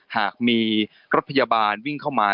หากมีรถพยาบาลวิ่งเข้ามา